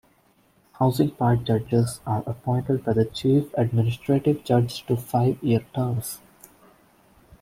Housing Part judges are appointed by the Chief Administrative Judge to five-year terms.